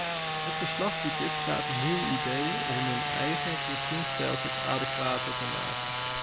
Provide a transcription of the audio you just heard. Het verslag biedt lidstaten nieuwe ideeën om hun eigen pensioenstelsels adequater te maken.